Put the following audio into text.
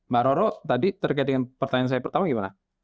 mbak roro tadi terkait dengan pertanyaan saya pertama gimana